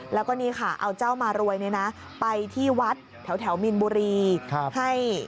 แล้วก็นี่ค่ะเอาเจ้ามารวยไปที่วัดแถวมีนบุรีให้